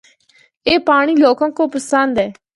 اے پانڑی لوگاں کو پسند ہے۔